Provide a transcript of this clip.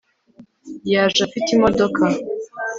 yaje afite imodoka